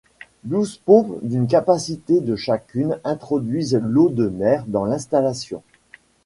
Douze pompes d'une capacité de chacune introduisent l'eau de mer dans l'installation.